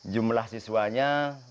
jumlah siswanya empat puluh lima